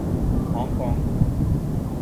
Hong Kong